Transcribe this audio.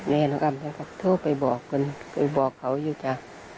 แม่น้องอ้ำฉันก็โทรไปบอกเขาอยู่จ้ะ